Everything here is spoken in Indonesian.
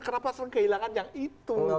kenapa sering kehilangan yang itu